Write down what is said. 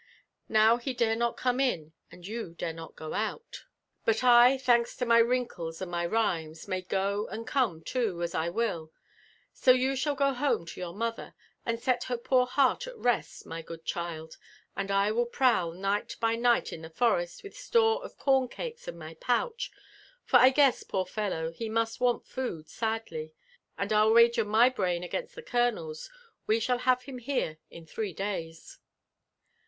Now ht dare not come In, and you^are not go out: but I, thanks to my wrinkles and my rhy thes, may go, and come too, as I WilL 80 you shall go home to your mother, and set her poor heart at rest, my good chiM ; and I will prowl ni^t by night in the forest^ with stolwof ooro'KriikBS in my potteh« ^for I guess, poor fellow^ hk must want food sadly ; and I'll wager my brain against the colooers we shall have him here in three days."